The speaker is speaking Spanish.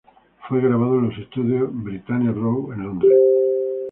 Fue grabado en los estudios Britannia Row en Londres.